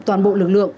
toàn bộ lực lượng